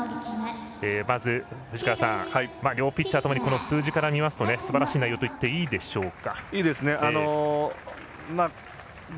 まず両ピッチャーともに数字を見ますとすばらしい内容といっていいでしょうか。